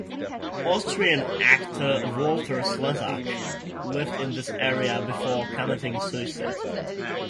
Austrian actor Walter Slezak lived in this area before committing suicide.